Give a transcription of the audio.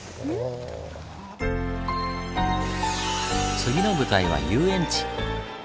次の舞台は遊園地！